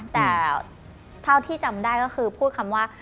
แต่เท่าที่จำได้ก็คือพูดคำว่า